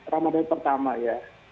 ramadhan pertama ya